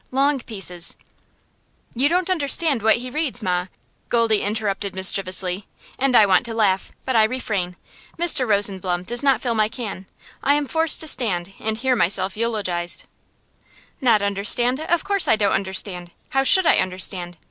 Long pieces " "You don't understand what he reads, ma," Goldie interrupts mischievously; and I want to laugh, but I refrain. Mr. Rosenblum does not fill my can; I am forced to stand and hear myself eulogized. "Not understand? Of course I don't understand. How should I understand?